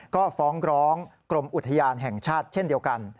ก็ฟ้องร้องกรมอุทยานแห่งชาติเช่นเดียวกัน